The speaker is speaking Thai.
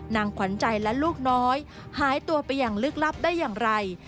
ขวัญใจและลูกน้อยหายตัวไปอย่างลึกลับได้อย่างไร